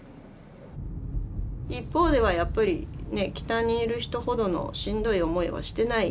一方ではやっぱり北にいる人ほどのしんどい思いはしてない。